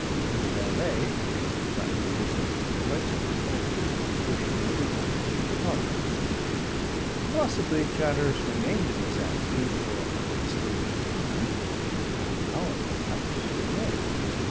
And the valet, finding this answer quite satisfactory, wished him goodnight and departed. Probably Chatteris remained in this attitude for a considerable time half an hour, perhaps, or more.